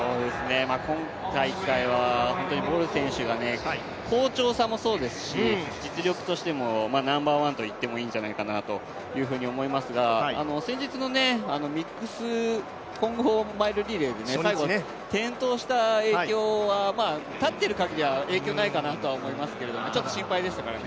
今大会はボル選手が好調さもそうですし実力としてもナンバーワンといってもいいんじゃないかと思いますが先日のミックス混合マイルで最後、転倒した影響は、立ってる限りは影響ないかなと思いますけどちょっと心配でしたからね。